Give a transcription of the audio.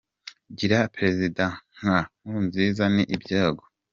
Kugira prezida nka Nkurunziza ni Ibyago.